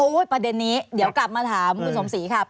ประเด็นนี้เดี๋ยวกลับมาถามคุณสมศรีครับ